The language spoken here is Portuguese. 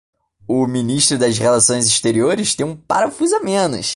O Ministro das Relações Exteriores tem um parafuso a menos